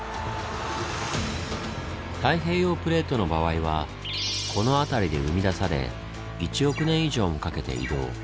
太平洋プレートの場合はこの辺りで生み出され１億年以上もかけて移動。